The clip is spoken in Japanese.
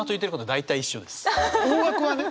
大枠はね。